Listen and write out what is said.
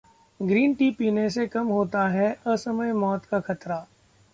green tea पीने से कम होता है असमय मौत का खतरा